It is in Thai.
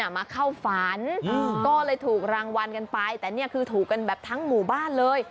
ไม่ถูกรางวัลกันไปแต่นี่คือถูกกันแบบทั้งหมู่บ้านเลย